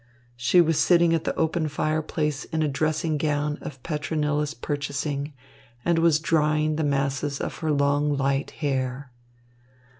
She was sitting at the open fireplace in a dressing gown of Petronilla's purchasing, and was drying the masses of her long, light hair.